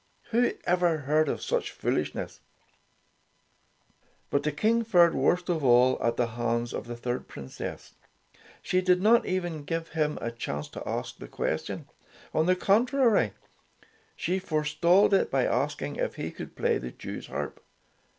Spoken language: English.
Who ever heard of such foolishness ? But the King fared worst of all at the hands of the third princess. She did not even give him a chance to ask the ques tion. On the contrary, she forestalled it by asking if he could play the Jews harp.